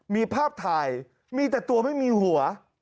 มีภาพถ่ายมีแต่ตัวไม่มีหัว